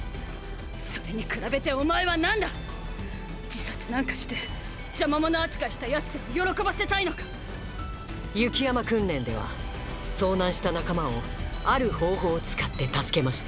それに比べてお前は何だ⁉自殺なんかして邪魔者扱いした奴らを喜ばせたいのか⁉雪山訓練では遭難した仲間をある方法を使って助けました